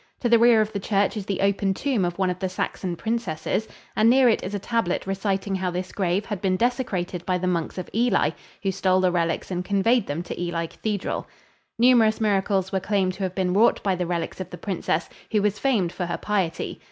To the rear of the church is the open tomb of one of the Saxon princesses, and near it is a tablet reciting how this grave had been desecrated by the monks of Ely, who stole the relics and conveyed them to Ely Cathedral. Numerous miracles were claimed to have been wrought by the relics of the princess, who was famed for her piety.